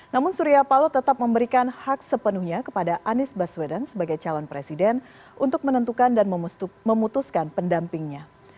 namun surya paloh tetap memberikan hak sepenuhnya kepada anies baswedan sebagai calon presiden untuk menentukan dan memutuskan pendampingnya